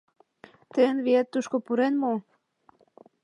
Тыйын виет тушко пурен мо?